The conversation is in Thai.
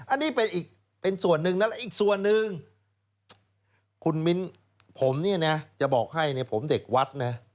อันนี้เป็นส่วนหนึ่งแล้วอีกส่วนหนึ่งคุณมิ้นผมจะบอกให้ผมเด็กวัด